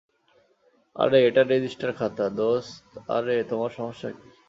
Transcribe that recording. আরে, এটা রেজিস্টার খাতা, দোস্ত আরে তোমার সমস্যা কি?